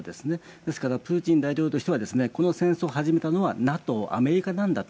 ですからプーチン大統領としては、この戦争を始めたのは、ＮＡＴＯ、アメリカなんだと。